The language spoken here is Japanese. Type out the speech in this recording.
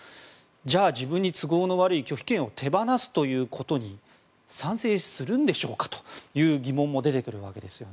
じゃあ、自分に都合の悪い拒否権を手放すということに賛成するんでしょうかという疑問も出てくるわけです。